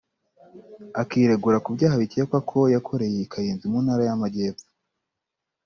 akiregura ku byaha bikekwa ko yakoreye i Kayenzi mu Ntara y’Amajyepfo